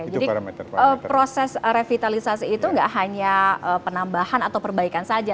proses revitalisasi itu tidak hanya penambahan atau perbaikan saja